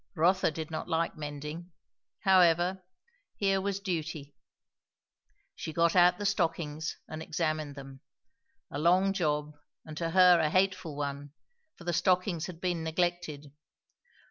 Rotha did not like mending; however, here was duty. She got out the stockings and examined them. A long job, and to her a hateful one, for the stockings had been neglected.